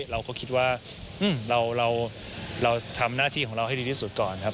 เราก็คิดว่าเราทำหน้าที่ของเราให้ดีที่สุดก่อนครับ